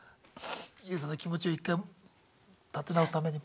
ＹＯＵさんの気持ちを１回立て直すためにも。